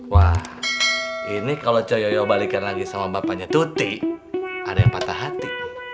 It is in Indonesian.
wah ini kalau cey ojo balikin lagi sama bapaknya tuti ada yang patah hati